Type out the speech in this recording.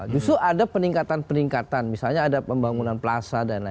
justru ada peningkatan peningkatan misalnya ada pembangunan plaza dan lain lain